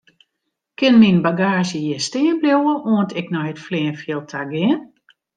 Kin myn bagaazje hjir stean bliuwe oant ik nei it fleanfjild ta gean?